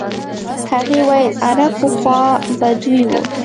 هغې ویل عرب پخوا بدوي وو.